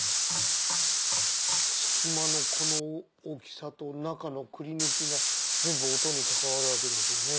隙間のこの大きさと中のくりぬきが全部音に関わるわけですよね。